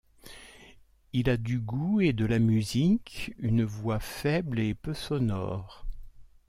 Il a du goût & de la musique, une voix faible & peu sonore.